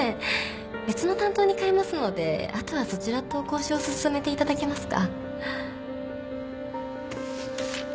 別の担当に代えますのであとはそちらと交渉を進めていただけますか？